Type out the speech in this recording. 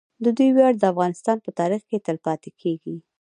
د دوی ویاړ د افغانستان په تاریخ کې تل پاتې کیږي.